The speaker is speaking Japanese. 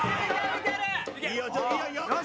いいよ。